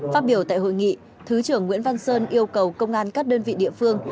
phát biểu tại hội nghị thứ trưởng nguyễn văn sơn yêu cầu công an các đơn vị địa phương